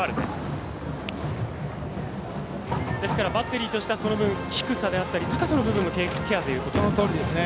ですからバッテリーとしては低さであったり高さの部分のケアということですか。